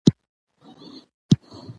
کار د انسان اراده قوي کوي